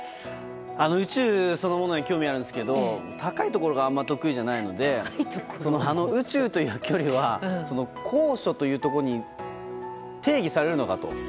宇宙そのものには興味あるんですけど高いところがあまり得意ではないので宇宙という距離は高所というところに定義されるのかと。